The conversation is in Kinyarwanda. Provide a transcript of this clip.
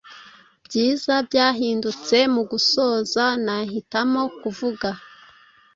Byiza byahindutse Mugusoza nahitamo kuvuga,